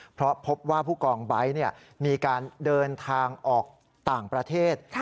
เพราะพบว่าผู้กองไบท์มีการเดินทางออกต่างประเทศ